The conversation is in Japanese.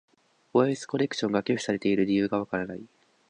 ボイスコレクションが拒否されている理由がわからない。